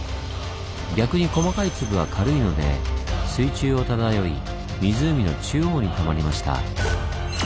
逆に細かい粒は軽いので水中を漂い湖の中央にたまりました。